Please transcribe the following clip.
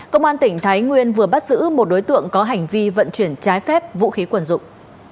công an tỉnh thái nguyên vừa bắt giữ một đối tượng có hành vi vận chuyển trái phép vũ khí quần dụng